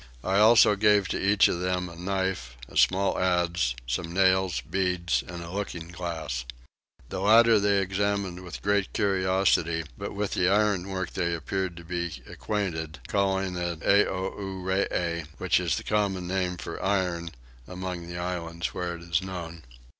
I also gave to each of them a knife, a small adze, some nails, beads, and a looking glass. The latter they examined with great curiosity; but with the ironwork they appeared to be acquainted; calling it aouree, which is the common name for iron among the islands where it is known.